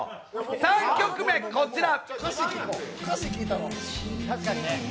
３曲目、こちら。